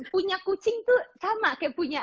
punya kucing tuh sama